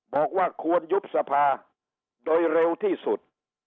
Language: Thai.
บอกว่าควรยุบสภาโดยเร็วที่สุด